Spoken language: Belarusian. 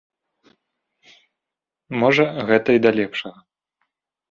Можа гэта й да лепшага.